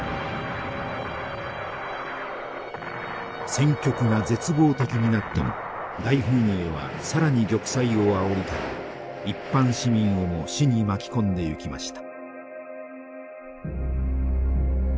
戦局が絶望的になっても大本営は更に玉砕をあおりたて一般市民をも死に巻き込んでいきました。